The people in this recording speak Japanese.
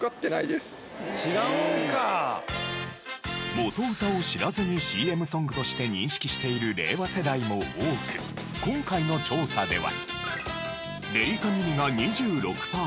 元歌を知らずにＣＭソングとして認識している令和世代も多く今回の調査では。